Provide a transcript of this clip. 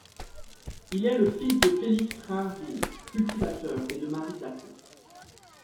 Il est le fils de Félix Rainville, cultivateur, et de Marie Daqueau.